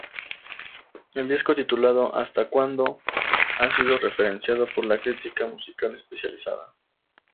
El disco titulado "Hasta Cuando" ha sido referenciado por la crítica musical especializada.